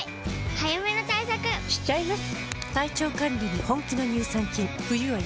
早めの対策しちゃいます。